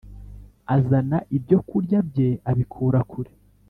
azana ibyokurya bye abikura kure